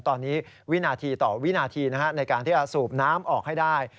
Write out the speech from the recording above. ตอนนี้วินาทีต่อวินาทีในการที่จะสูบน้ำออกให้ได้